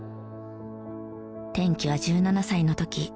転機は１７歳の時。